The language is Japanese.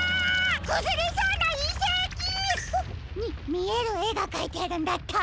くずれそうないせき！？にみえるえがかいてあるんだった。